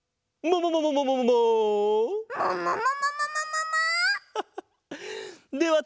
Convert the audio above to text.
もももももももも？